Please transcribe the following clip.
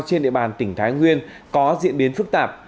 trên địa bàn tỉnh thái nguyên có diễn biến phức tạp